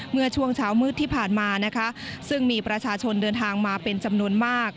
เมื่อช่วงเช้ามืดที่ผ่านมานะคะซึ่งมีประชาชนเดินทางมาเป็นจำนวนมาก